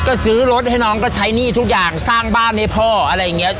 ก็ซื้อรถให้น้องก็ใช้หนี้ทุกอย่างสร้างบ้านให้พ่ออะไรอย่างเงี้ย